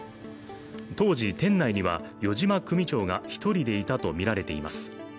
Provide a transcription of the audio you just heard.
当時、店内には余嶋組長が１人でいたとみられています。